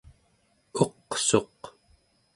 uqsuq